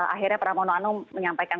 akhirnya pramono anung menyampaikan